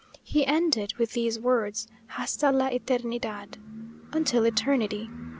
He ended with these words: "hasta la eternidad!" until eternity!